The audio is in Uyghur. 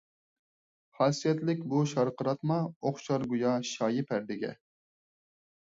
خاسىيەتلىك بۇ شارقىراتما، ئوخشار گويا شايى پەردىگە.